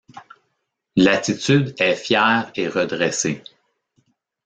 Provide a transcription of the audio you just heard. L'attitude est fière et redressée.